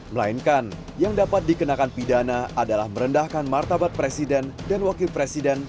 melainkan yang dapat dikenakan pidana adalah merendahkan martabat presiden dan wakil presiden